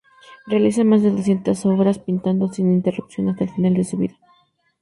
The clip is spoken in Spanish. Realiza más de doscientas obras pintando sin interrupción hasta el final de su vida.